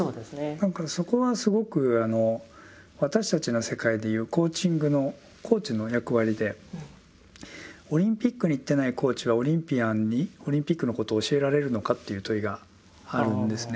何かそこはすごく私たちの世界でいうコーチングのコーチの役割でオリンピックに行ってないコーチはオリンピアンにオリンピックのことを教えられるのかという問いがあるんですね。